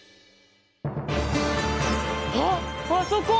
あっあそこ！